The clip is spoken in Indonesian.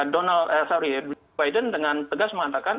donald sorry biden dengan tegas mengatakan